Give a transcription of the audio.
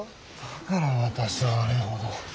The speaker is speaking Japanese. だから私はあれほど。